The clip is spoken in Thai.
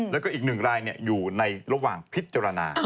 แล้วก็อีก๑รายอยู่ในระหว่างพิจารณา